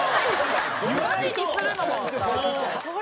文字にするのも。